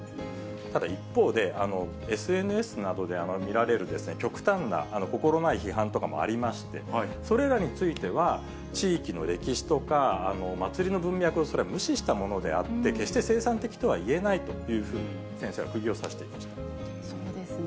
ただ一方で、ＳＮＳなどで見られる極端な心ない批判とかもありまして、それらについては、地域の歴史とか祭りの文脈をそれは無視したものであって、決して生産的とは言えないというふうに、先生はくぎをさしていまそうですね。